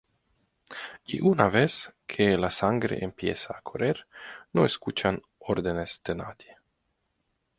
Y una vez que la sangre empieza a correr, no escuchan órdenes de nadie.